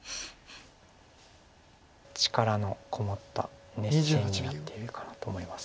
力のこもった熱戦になっているかなと思います。